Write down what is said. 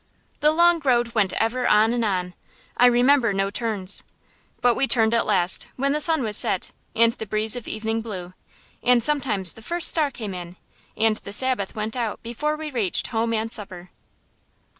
The Long Road went ever on and on; I remember no turns. But we turned at last, when the sun was set and the breeze of evening blew; and sometimes the first star came in and the Sabbath went out before we reached home and supper.